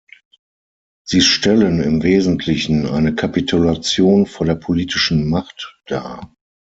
Sie stellen im Wesentlichen eine Kapitulation vor der politischen Macht dar.